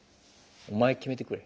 お前決めてくれ。